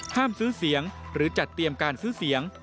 ซื้อเสียงหรือจัดเตรียมการซื้อเสียง